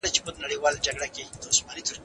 ښه ذهنیت بریالیتوب نه زیانمنوي.